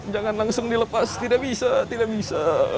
jangan langsung dilepas tidak bisa tidak bisa